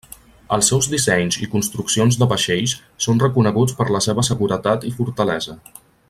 Els seus dissenys i construccions de vaixells són reconeguts per la seva seguretat i fortalesa.